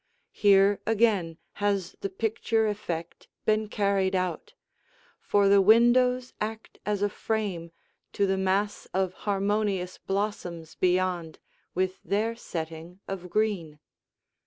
Here again has the picture effect been carried out, for the windows act as a frame to the mass of harmonious blossoms beyond, with their setting of green.